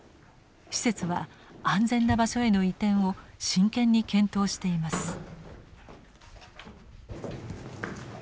施設は安全な場所への移転を真剣に検討しています。